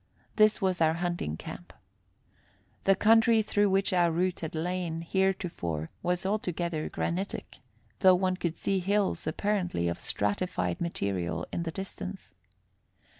This was our hunting camp. The country through which our route had lain heretofore was altogether granitic, though one could see hills apparently of stratified material in the distance.